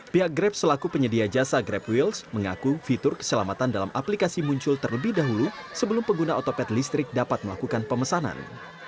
pihak grab selaku penyedia jasa grab wheels mengaku fitur keselamatan dalam aplikasi muncul terlebih dahulu sebelum pengguna otopet listrik dapat melakukan pemesanan